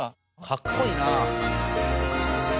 かっこいいな。